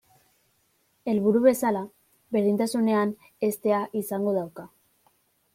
Helburu bezala, berdintasunean heztea izango dauka.